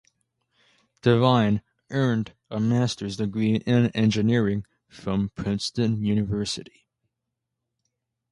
Devine earned a master's degree in engineering from Princeton University.